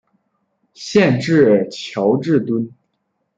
县治乔治敦。